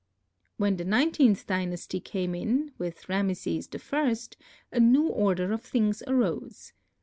When the nineteenth dynasty came in, with Rameses I, a new order of things arose.